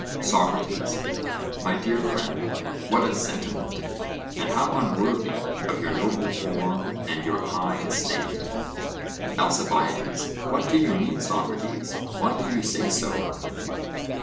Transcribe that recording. SOCRATES: My dear friend, what a sentiment! And how unworthy of your noble form and your high estate! ALCIBIADES: What do you mean, Socrates; why do you say so?